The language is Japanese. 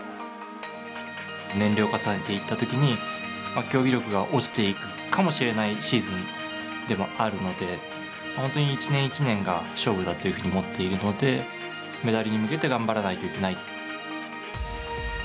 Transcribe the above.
年齢を重ねていった時に競技力が落ちていくかもしれないシーズンでもあるので本当に、一年一年が勝負だというふうに思っているのでメダルに向けて頑張らないといけない。